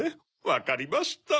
わかりました。